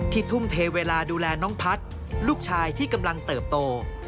ทุ่มเทเวลาดูแลน้องพัฒน์ลูกชายที่กำลังเติบโต